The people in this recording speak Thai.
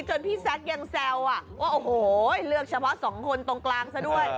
พี่แซคยังแซวว่าโอ้โหเลือกเฉพาะสองคนตรงกลางซะด้วย